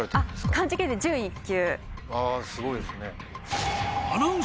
あぁすごいですね。